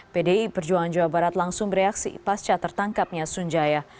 pdi perjuangan jawa barat langsung bereaksi pasca tertangkapnya sunjaya